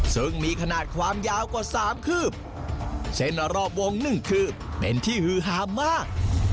ซึ่งมีขนาดความยาวกว่าสามคืบเส้นรอบวง๑คืบเป็นที่ฮือฮามาก